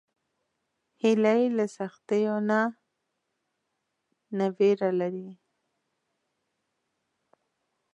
هیلۍ له سختیو نه نه ویره لري